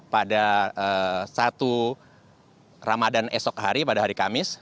pada satu ramadan esok hari pada hari kamis